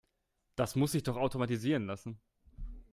Das muss sich doch automatisieren lassen.